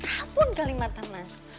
rabun kali mata mas